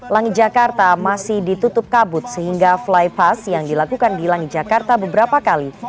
langi jakarta masih ditutup kabut sehingga fly pass yang dilakukan di langi jakarta beberapa kali